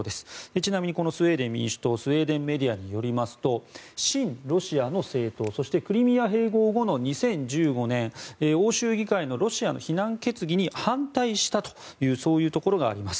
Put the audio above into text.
ちなみにこのスウェーデン民主党スウェーデンメディアによると親ロシアの政党そしてクリミア併合後の２０１５年欧州議会のロシアの非難決議に反対したというそういうところがあります。